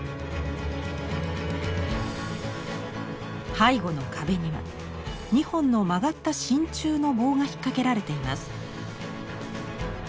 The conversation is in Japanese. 背後の壁には２本の曲がった真鍮の棒が引っ掛けられています。